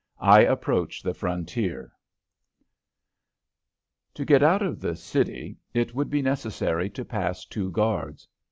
XVI I APPROACH THE FRONTIER To get out of the city it would be necessary to pass two guards.